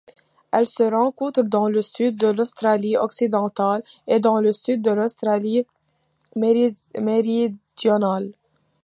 Elle se rencontre dans le sud de l'Australie-Occidentale et dans le Sud de l'Australie-Méridionale.